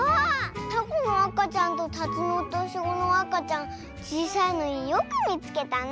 タコのあかちゃんとタツノオトシゴのあかちゃんちいさいのによくみつけたね。